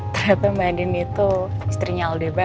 ternyata mbak din itu istrinya aldebaran